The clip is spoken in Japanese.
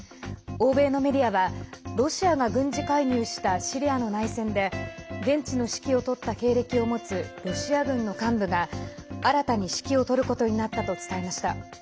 欧米のメディアはロシアが軍事介入したシリアの内戦で現地の指揮を執った経歴を持つロシア軍の幹部が新たに指揮を執ることになったと伝えました。